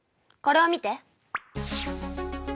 これを見て。